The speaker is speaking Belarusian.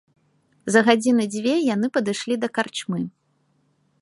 За гадзіны дзве яны падышлі да карчмы.